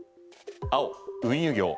青、運輸業。